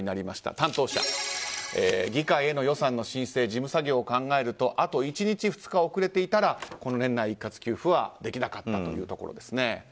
担当者、議会への予算の申請や事務作業を考えるとあと１日、２日遅れていたらこの年内一括給付はできなかったというとこです。